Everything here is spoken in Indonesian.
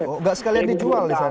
oh gak sekalian dijual di sana